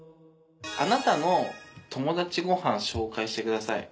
あなたの友達ご飯紹介してください。